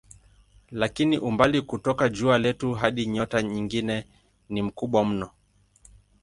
Lakini umbali kutoka jua letu hadi nyota nyingine ni mkubwa mno.